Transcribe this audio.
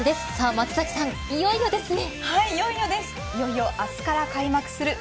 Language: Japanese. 松崎さん、いよいよですね。